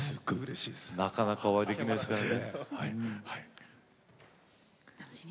生でなかなかお会いできないですからね。